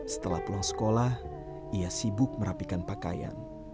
setelah pulang sekolah ia sibuk merapikan pakaian